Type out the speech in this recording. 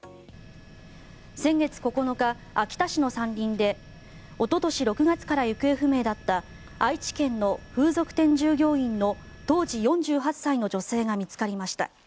先月９日、秋田市の山林でおととし６月から行方不明だった愛知県の風俗店従業員の当時４８歳の女性が見つかりました。